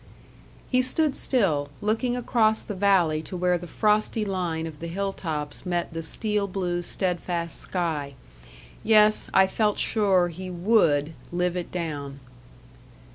He stood still, looking across the valley to where the frosty line of the hill tops met the steel blue, steadfast sky. Yes, I felt sure he WOULD 'live it down.'